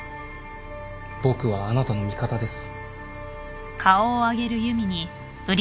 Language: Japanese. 僕はあなたの味方です。